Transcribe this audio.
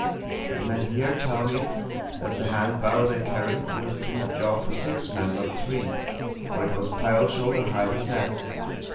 The men here tell me that the hand barrow they carried would have been a job for six men, not three, for it was piled shoulder high with nets.